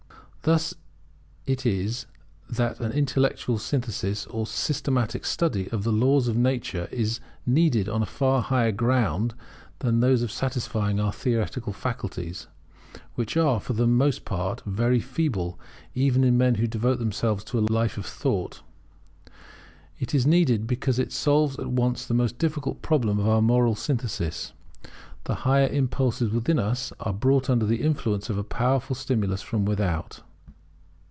Thus it is that an intellectual synthesis, or systematic study of the laws of nature, is needed on far higher grounds than those of satisfying our theoretical faculties, which are, for the most part, very feeble, even in men who devote themselves to a life of thought. It is needed, because it solves at once the most difficult problem of the moral synthesis. The higher impulses within us are brought under the influence of a powerful stimulus from without.